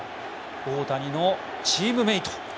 大谷のチームメート。